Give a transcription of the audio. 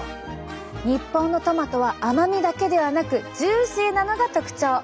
日本のトマトは甘みだけではなくジューシーなのが特徴！